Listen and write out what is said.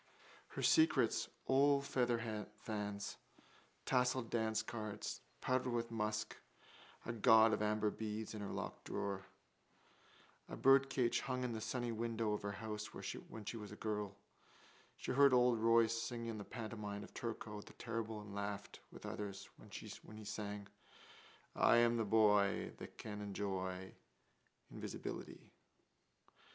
Her secrets: old featherfans, tasselled dancecards, powdered with musk, a gaud of amber beads in her locked drawer. A birdcage hung in the sunny window of her house when she was a girl. She heard old Royce sing in the pantomime of Turko the Terrible and laughed with others when he sang: I am the boy That can enjoy Invisibility.